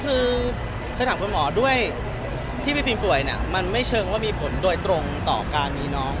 คือเคยถามคุณหมอด้วยที่พี่ฟิล์มป่วยเนี่ยมันไม่เชิงว่ามีผลโดยตรงต่อการมีน้อง